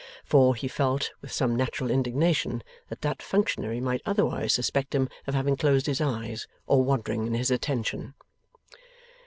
For, he felt, with some natural indignation, that that functionary might otherwise suspect him of having closed his eyes, or wandered in his attention.